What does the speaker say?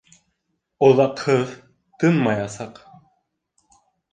Оҙаҡһыҙ тынмаясаҡ!